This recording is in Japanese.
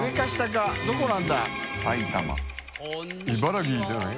茨城じゃない？